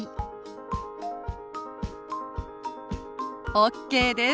ＯＫです。